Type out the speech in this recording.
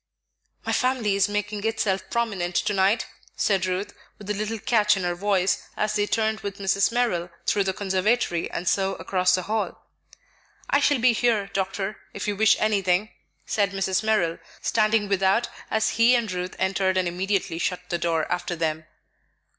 "My family is making itself prominent to night," said Ruth, with a little catch in her voice, as they turned with Mrs. Merrill through the conservatory and so across the hall. "I shall be here, Doctor, if you wish anything," said Mrs. Merrill, standing without as he and Ruth entered and immediately shut the door after them.